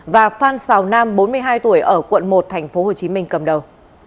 và phan xào nam bốn mươi hai tuổi ở quận một thành phố hồ chí minh cầm đầu